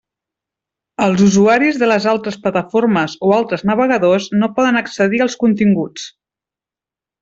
Els usuaris de les altres plataformes o altres navegadors no poden accedir als continguts.